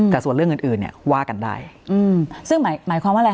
แต่ส่วนเรื่องอย่างนึงว่ากันได้